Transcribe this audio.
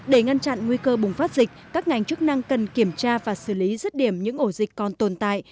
để ngăn chặn nguy cơ bùng phát dịch các ngành chức năng cần kiểm tra và xử lý rứt điểm những ổ dịch còn tồn tại